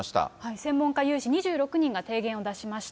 専門家有志２６人が提言を出しました。